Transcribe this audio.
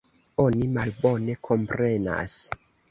Oni malbone komprenas.